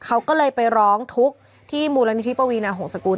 เขาก็เลยไปร้องทุกข์ที่มูลนิธิปวีนาหงษกุล